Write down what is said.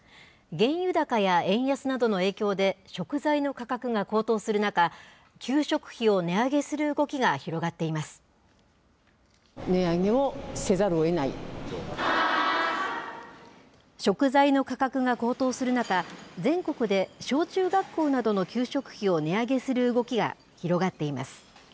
原油高や円安などの影響で、食材の価格が高騰する中、給食費を値上げする動きが広がっていま食材の価格が高騰する中、全国で小中学校などの給食費を値上げする動きが広がっています。